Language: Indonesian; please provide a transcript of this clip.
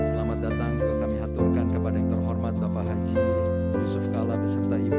selamat datang kami aturkan kepada yang terhormat bapak haji yusuf kala beserta ibu